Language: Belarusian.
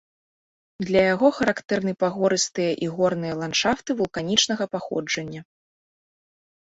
Для яго характэрны пагорыстыя і горныя ландшафты вулканічнага паходжання.